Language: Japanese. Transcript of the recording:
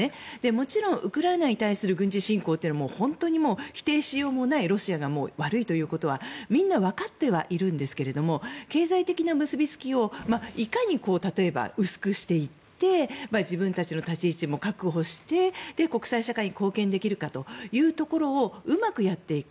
もちろんウクライナに対する軍事侵攻は本当に否定しようもないロシアが悪いということはみんなわかってはいるんですが経済的な結びつきをいかに薄くしていって自分たちの立ち位置も確保して国際社会に貢献できるかというところをうまくやっていく。